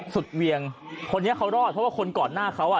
เวียงคนนี้เขารอดเพราะว่าคนก่อนหน้าเขาอ่ะ